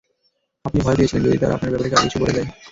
আপনি ভয় পেয়েছিলেন, যদি তারা আপনার ব্যাপারে কাউকে কিছু বলে দেয়।